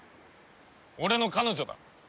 俺の彼女だ。